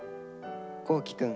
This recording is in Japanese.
皇輝くん